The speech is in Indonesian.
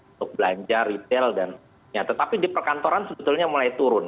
untuk belanja retail dan ya tetapi di perkantoran sebetulnya mulai turun